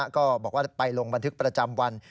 ก็บอกว่าไปลงบันทึกประจำวัน